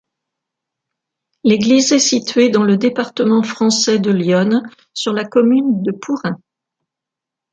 L'église est située dans le département français de l'Yonne, sur la commune de Pourrain.